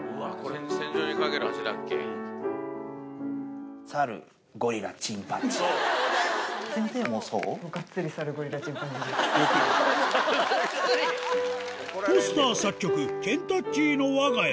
がっつり、フォスター作曲、ケンタッキーの我が家。